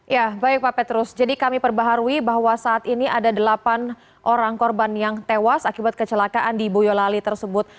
ya baik pak petrus jadi kami perbaharui bahwa saat ini ada delapan orang korban yang tewas akibat kecelakaan di boyolali tersebut